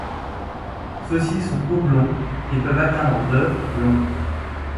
Ceux-ci sont oblongs, et peuvent atteindre de long.